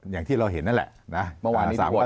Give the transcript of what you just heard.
อย่างที่เราเห็นนั่นแหละเมื่อวานนี้ต้องรวดกัน